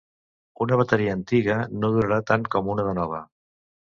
Una bateria antiga no durarà tant com una de nova.